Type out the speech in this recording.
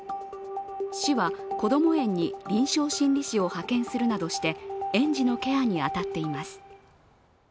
市はこども園に、臨床心理士を派遣するなどして園児のケアに当たっています。